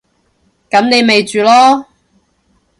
噉你咪住囉